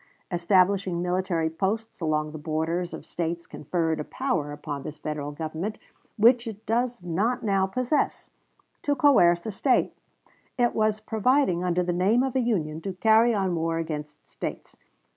Establishing military posts along the borders of States conferred a power upon this Federal Government, which it does not now possess, to coerce a State; it was providing, under the name of Union, to carry on war against States.